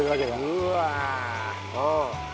うわ！